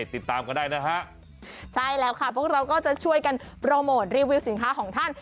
ติดตามก็ได้นะฮะใช่แล้วค่ะพวกเราก็จะช่วยกันโปรโมทรีวิวสินค้าของท่าน